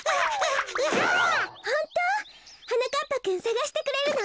ホント？はなかっぱくんさがしてくれるの？